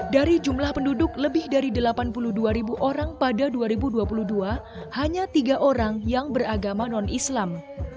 dari jumlah penduduk lebih dari delapan puluh dua ribu orang pada dua ribu dua puluh dua hanya tiga orang yang beragama non islam